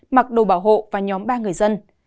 mặc đồ bảo hộ và nhóm ba người dân